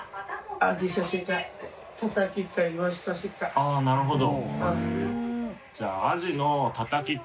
あぁなるほど。